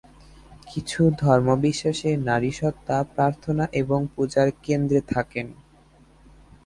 কিছু ধর্ম-বিশ্বাসে নারী সত্ত্বা প্রার্থনা এবং পূজার কেন্দ্রে থাকেন।